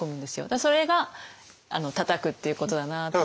だからそれがたたくっていうことだなと。